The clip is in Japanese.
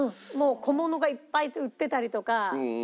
小物がいっぱい売ってたりとかそういう感じ。